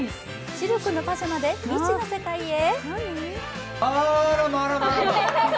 シルクのパジャマで未知の世界へ。